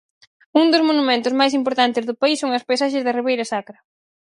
Un dos monumentos máis importantes do país son as paisaxes da Ribeira Sacra.